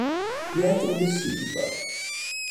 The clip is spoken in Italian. Pietro De Silva